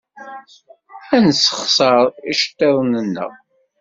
Ad nessexṣer iceḍḍiḍen-nneɣ.